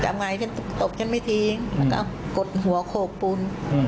ทำไงฉันตบฉันไม่ทิ้งแล้วก็กดหัวโขกปูน